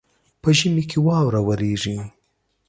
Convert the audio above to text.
په ژمي کي واوره وريږي.